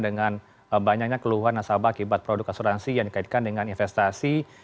dengan banyaknya keluhan nasabah akibat produk asuransi yang dikaitkan dengan investasi